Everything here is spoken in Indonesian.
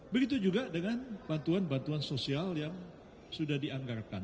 begitu juga dengan bantuan bantuan sosial yang sudah dianggarkan